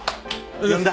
呼んだ？